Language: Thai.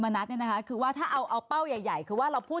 นัดเนี่ยนะคะคือว่าถ้าเอาเอาเป้าใหญ่ใหญ่คือว่าเราพูด